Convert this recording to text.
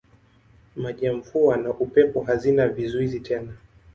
Maji ya mvua na upepo hazina vizuizi tena.